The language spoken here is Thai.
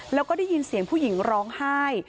แล้วก็ได้ยินเสียงผู้หญิงร้องไห้